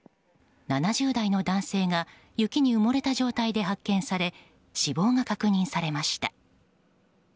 ７０代の男性が雪に埋もれた状態で発見され死亡が確認されました。